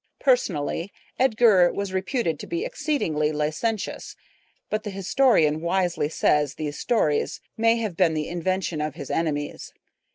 Personally, Edgar was reputed to be exceedingly licentious; but the historian wisely says these stories may have been the invention of his enemies.